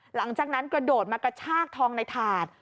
หลังจากนั้นกระโดดมากระชากทองในถาด